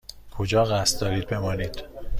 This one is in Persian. کجا قصد دارید بمانید؟